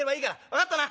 分かったな？」。